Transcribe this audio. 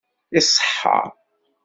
Iṣeḥḥa?